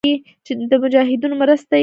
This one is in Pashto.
چې د مجاهدينو مرسته ئې کوله.